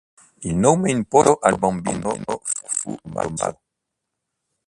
Il nome imposto al bambino fu Tommaso.